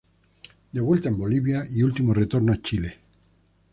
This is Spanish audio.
De vuelta en Bolivia y último retorno a Chile.